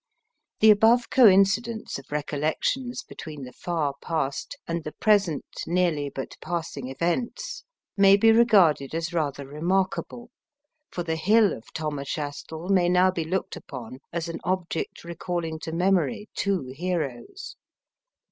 The above coincidence of recollections between the far past, and the present nearly but passing events, may be regarded as rather remarkable, for the hill of Tom a Chastel may now be looked upon as an object recalling to memory of two heroes.